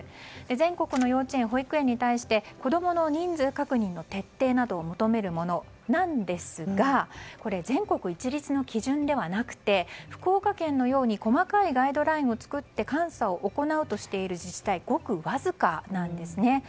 全国の幼稚園・保育園に対して子供の人数確認の徹底などを求めるものなんですが全国一律の基準ではなくて福岡県のように細かいガイドラインを作って監査を行うとしている自治体はごくわずかなんですね。